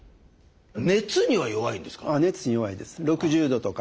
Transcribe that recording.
熱には弱いんですか？